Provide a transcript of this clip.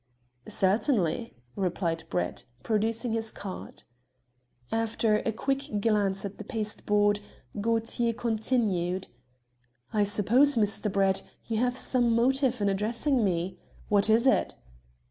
"Certainly," replied Brett, producing his card. After a quick glance at the pasteboard, Gaultier continued "I suppose, Mr. Brett, you have some motive in addressing me? What is it?"